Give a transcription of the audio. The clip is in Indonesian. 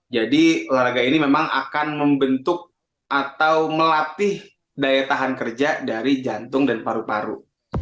jadi olahraga ini memang akan membentuk atau melatih daya tahan kerja dari jantung dan paru paru